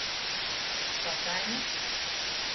Svacaine.